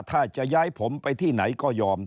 ถ้าจะย้ายผมไปที่ไหนก็ยอม